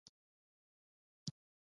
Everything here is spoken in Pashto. ستا سترګې زموږ په پرتله ډېرې ژورې دي.